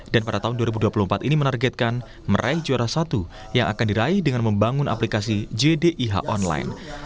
dan pada tahun dua ribu dua puluh empat ini menargetkan meraih juara satu yang akan diraih dengan membangun aplikasi jdih online